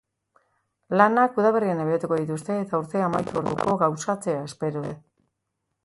Lanak udaberrian abiatuko dituzte eta urtea amaitu orduko gauzatzea espero dute.